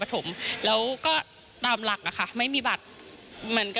อ่าเดี๋ยวฟองดูนะครับไม่เคยพูดนะครับ